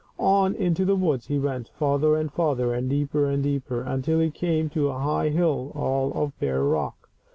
On into the woods he went, farther and farther and deeper and deeper, until he came to a high hill, all of bare rock.